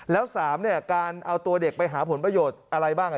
แล้ว๓เนี่ยการเอาตัวเด็กไปหาผลประโยชน์อะไรบ้าง